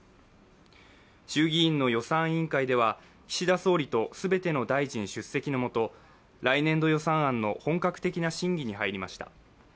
衆議院の予算委員会では岸田総理と全ての大臣出席の下、来年度予算案の本格的な審議に入りました。